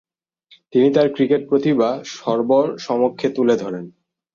তিনি তার ক্রিকেট প্রতিভা সর্বসমক্ষে তুলে ধরেন।